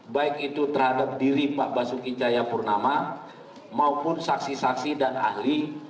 baik itu terhadap diri pak basuki cahayapurnama maupun saksi saksi dan ahli